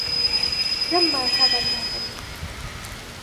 دَمّر هذا المعبَد.